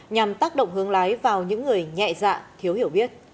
nhằm tác động hướng lái vào những người nhẹ dạ thiếu hiểu biết